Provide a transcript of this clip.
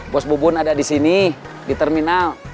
bos bubun ada disini di terminal